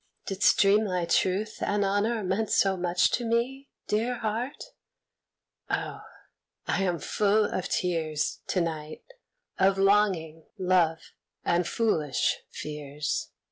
Didst dream thy truth and honor meant so much To me, Dear Heart? Oh! I am full of tears To night, of longing, love and foolish fears.